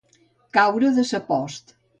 Caure de sa post.